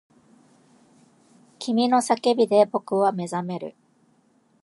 君の叫びで僕は目覚める